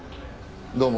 どうも。